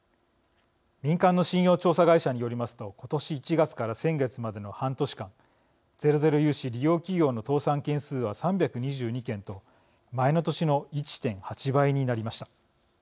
民間の信用調査会社によりますと今年１月から先月までの半年間ゼロゼロ融資利用企業の倒産件数は３２２件と前の年の１．８倍になりました。